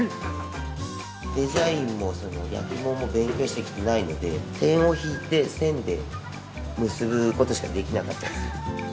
デザインも焼き物も勉強してきてないので点を引いて線で結ぶことしかできなかったです。